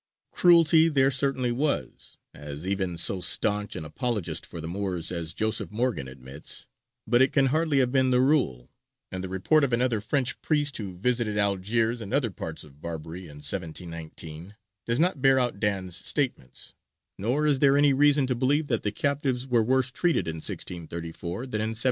Cruelty there certainly was, as even so staunch an apologist for the Moors as Joseph Morgan admits, but it can hardly have been the rule; and the report of another French priest who visited Algiers and other parts of Barbary in 1719 does not bear out Dan's statements: nor is there any reason to believe that the captives were worse treated in 1634 than in 1719.